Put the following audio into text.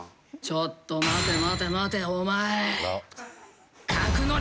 ちょっと待て待て待て、お前。